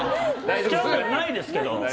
スキャンダルないですけど！